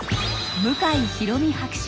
向井裕美博士。